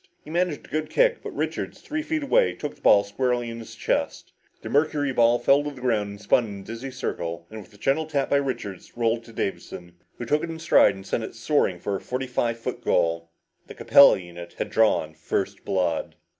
He managed a good kick, but Richards, three feet away, took the ball squarely on his chest. The mercuryball fell to the ground, spun in a dizzy circle and with a gentle tap by Richards, rolled to Davison, who took it in stride and sent it soaring for a forty five yard goal. The Capella unit had drawn first blood.